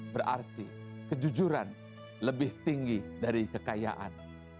berarti kejujuran lebih tinggi dari kekayaan